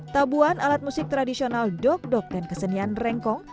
tabuan alat musik tradisional dok dok dan kesenian rengkong